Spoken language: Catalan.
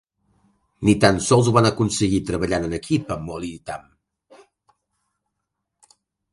Ni tan sols ho van aconseguir treballant en equip amb Holly i Tam.